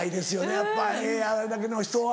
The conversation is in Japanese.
やっぱあれだけの人は。